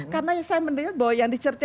karena saya mendengar bahwa yang dicerca